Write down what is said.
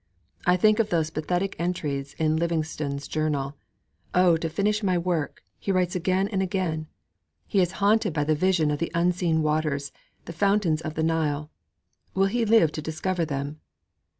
I think of those pathetic entries in Livingstone's journal. 'Oh, to finish my work!' he writes again and again. He is haunted by the vision of the unseen waters, the fountains of the Nile. Will he live to discover them?